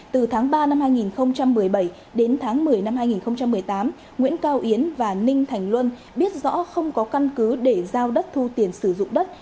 từ tháng ba năm hai nghìn một mươi bảy đến tháng một mươi năm hai nghìn một mươi tám nguyễn cao yến và ninh thành luân biết rõ không có căn cứ để giao đất thu tiền sử dụng đất